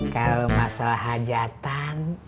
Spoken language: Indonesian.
kalo masalah hajatan